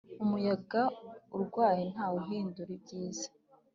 umuyaga urwaye ntawe uhindura ibyiza